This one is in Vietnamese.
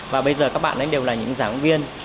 và bây giờ các bạn anh đều là những giảng viên